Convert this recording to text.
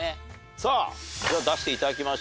さあでは出して頂きましょうか。